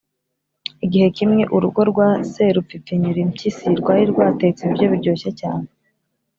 igihe kimwe urugo rwa serupfipfinyurimpyisi rwari rwatetse ibiryo biryoshye cyane.